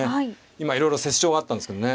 今いろいろ折衝があったんですけどね。